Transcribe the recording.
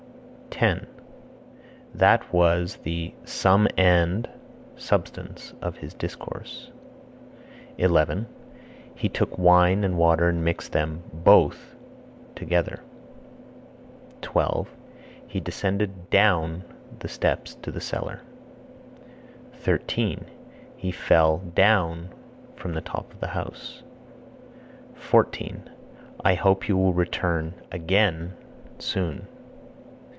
10. That was the (sum and) substance of his discourse. 11. He took wine and water and mixed them (both) together. 12. He descended (down) the steps to the cellar. 13. He fell (down) from the top of the house. 14. I hope you will return (again) soon.